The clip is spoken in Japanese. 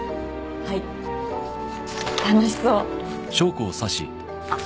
はい楽しそうあっ